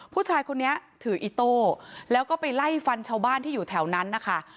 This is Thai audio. ผู้ชายคนนี้ถืออิโต้แล้วก็ไปไล่ฟันชาวบ้านที่อยู่แถวนั้นนะคะ